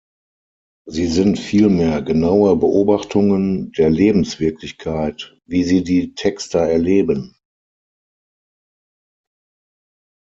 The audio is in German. Sie sind vielmehr genaue Beobachtungen der Lebenswirklichkeit, wie sie die Texter erleben.